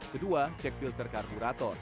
kedua cek filter karburator